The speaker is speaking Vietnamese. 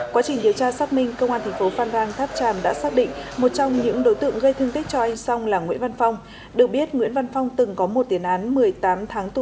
quá trình điều tra xác minh công an tp phan rang tháp tràm đã xác định một trong những đối tượng gây thương tích cho anh song là nguyễn văn phong được biết nguyễn văn phong từng có một tiền án một mươi tám tháng tù giam về tội tàng trữ trái phép chất ma túy